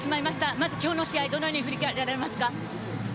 まず今日の試合、どのように振り返られますか？